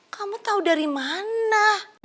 kamu tahu dari mana